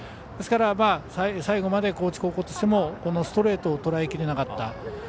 ですから最後まで高知高校としてもこのストレートをとらえきれなかった。